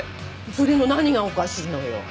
それの何がおかしいのよ？